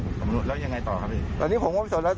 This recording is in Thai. แล้วยังไงต่อครับอันนี้ผมไม่พิสูจน์แล้ว